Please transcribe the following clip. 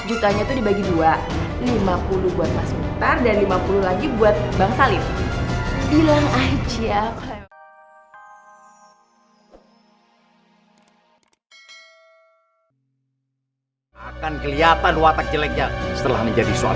seratus jutanya itu dibagi dua lima puluh buat mas bukter dan lima puluh lagi buat bang salim